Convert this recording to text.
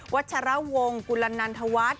วัชระวงครับ